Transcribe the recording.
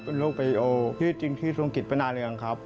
เป็นโรคประโยคที่จริงที่ทรงกิจไปนานเรียงครับ